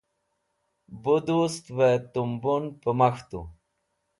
bu dust've tumbun pumak̃htu